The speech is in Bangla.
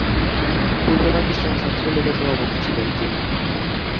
পূর্ব পাকিস্তান ছাত্রলীগের সভাপতি ছিলেন তিনি।